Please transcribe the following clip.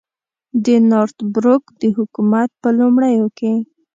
د نارت بروک د حکومت په لومړیو کې.